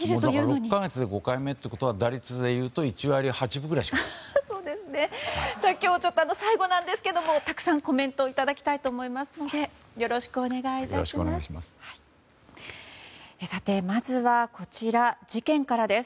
６か月で５回目ということは、打率でいうと今日最後なんですけどたくさんコメントをいただきたいと思うのでよろしくお願い致します。